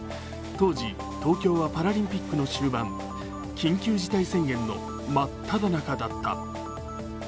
当時、東京はパラリンピックの終盤緊急事態宣言の真っただ中だった。